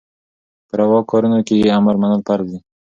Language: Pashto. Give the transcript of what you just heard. په رواکارونو کي يي امر منل فرض دي